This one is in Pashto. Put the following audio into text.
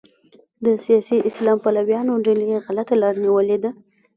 د سیاسي اسلام پلویانو ډلې غلطه لاره نیولې ده.